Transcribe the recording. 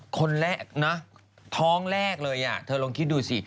คนแรกนะท้องแรกเลยเธอลองคิดดูสิ